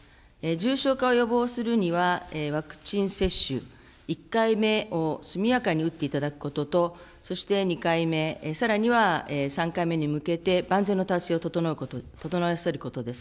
重症化を予防するには、ワクチン接種、１回目を速やかに打っていただくことと、そして２回目、さらには３回目に向けて、万全の体制を整わせることです。